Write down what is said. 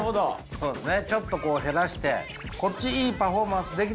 そうですね。